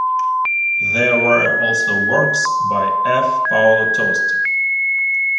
There were also works by F. Paolo Tosti.